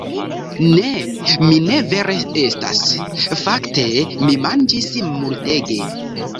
Ne, mi ne vere estas... fakte mi manĝis multege